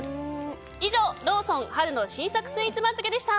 以上、ローソン春の新作スイーツ番付でした。